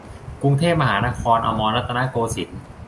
กรุงเทพมหานคร อมรรัตนโกสินทร์